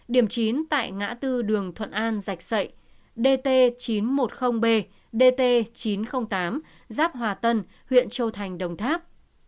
điểm chín tại ngã tư đường thuận an rạch sậy dt chín trăm một mươi b dt chín trăm linh tám giáp hòa tân huyện châu thành đồng tháp